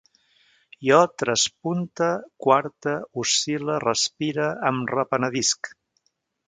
Jo traspunte, quarte, oscil·le, respire, em repenedisc